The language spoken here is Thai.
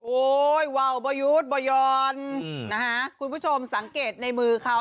โอ้ยวาวบ่ยุทธ์บ่ยอนนะฮะคุณผู้ชมสังเกตในมือเขา